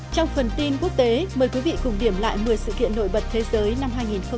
trong phần tin quốc tế mời quý vị cùng điểm lại một mươi sự kiện nổi bật thế giới năm hai nghìn một mươi chín